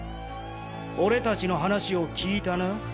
俺達の話を聞いたな？